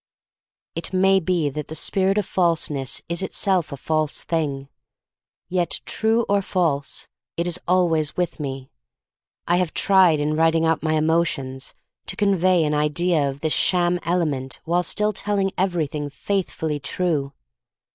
It may be that the spirit of falseness is itself a false thing — yet true or false, it is with me always. I have tried, in writing out my emotions, to convey an idea of this sham element while still telling everything faithfully true.